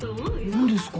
何ですか？